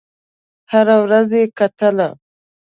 هره ورځ یې کتل.